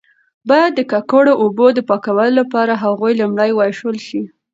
باید د ککړو اوبو د پاکولو لپاره هغوی لومړی وایشول شي.